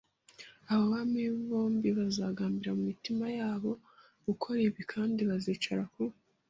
Abo bami bombi bazagambirira mu mitima yabo gukora ibibi kandi bazicara ku